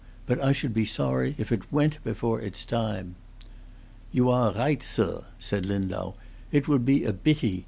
But I should be sorry if it went before its time." "You are righdt, sir," said Lindau. "It would be a bity.